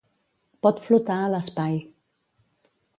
Pot flotar a l'espai.